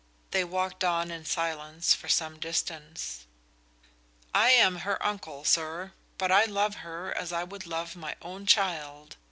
They walked on in silence for some distance. "I am her uncle, sir, but I love her as I would love my own child.